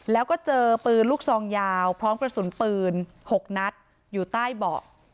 แล้วก็เจอปืนลูกซองยาวพร้อมกระสุนปืน๖นัดอยู่ใต้เบาะ